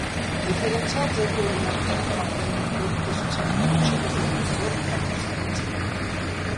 Դիֆերենցիալ ձևի օրինակներ են մակերևույթների տեսության առաջին և երկրորդ քառակուսային ձև։